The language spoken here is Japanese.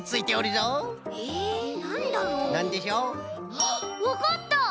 あっわかった！